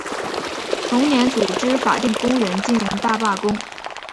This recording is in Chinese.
同年组织法电工人进行大罢工。